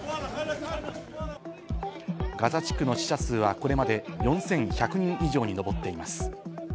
ガザ地区の死者数はこれまで４１００人以上に上っています。